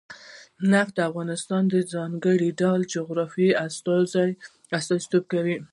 نفت د افغانستان د ځانګړي ډول جغرافیه استازیتوب کوي.